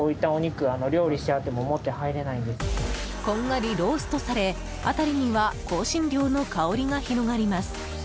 こんがりローストされ辺りには香辛料の香りが広がります。